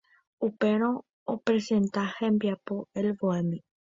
Upérõ opresenta hembiapo El Bohemio.